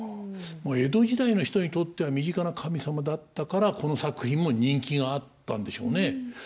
もう江戸時代の人にとっては身近な神様だったからこの作品も人気があったんでしょうね。